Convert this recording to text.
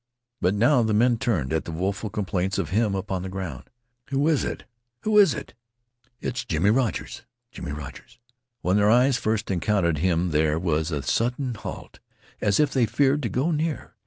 But now the men turned at the woeful complaints of him upon the ground. "Who is it? Who is it?" "It's Jimmie Rogers. Jimmie Rogers." When their eyes first encountered him there was a sudden halt, as if they feared to go near.